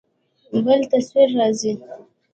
بل تصوير راغى.